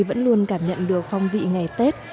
vẫn luôn cảm nhận được phong vị ngày tết